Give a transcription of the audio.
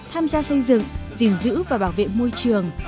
tham gia xây dựng gìn giữ và bảo vệ môi trường